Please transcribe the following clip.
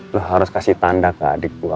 lo harus kasih tanda ke adik gue